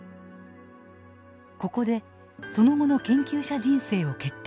ここでその後の研究者人生を決定